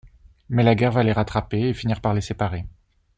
Mais la guerre va les rattraper, et finir par les séparer.